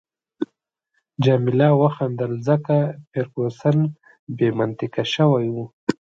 جميله وخندل، ځکه فرګوسن بې منطقه شوې وه.